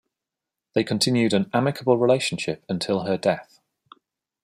They continued an amicable relationship until her death.